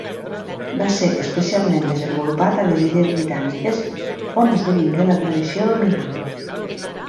Va ser especialment desenvolupat a les Illes Britàniques, on esdevingué la tradició dominant.